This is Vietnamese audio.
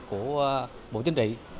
của bộ chính trị